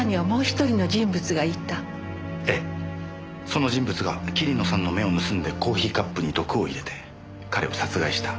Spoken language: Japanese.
その人物が桐野さんの目を盗んでコーヒーカップに毒を入れて彼を殺害した。